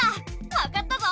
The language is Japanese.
わかったぞ！